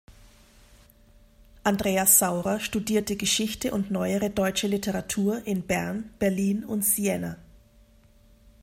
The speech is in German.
Andreas Saurer studierte Geschichte und Neuere Deutsche Literatur in Bern, Berlin und Siena.